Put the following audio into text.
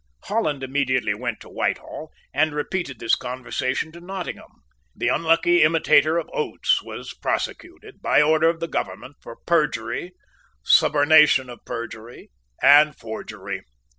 Holland immediately went to Whitehall, and repeated this conversation to Nottingham. The unlucky imitator of Oates was prosecuted, by order of the government, for perjury, subornation of perjury, and forgery.